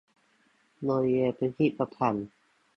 บริเวณพิพิธภัณฑ์